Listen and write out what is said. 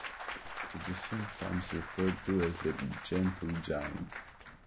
It is sometimes referred to as the "Gentle Giant".